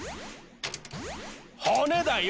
骨だよ！